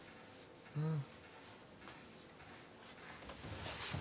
うん。